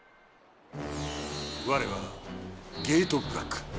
われはゲートブラック！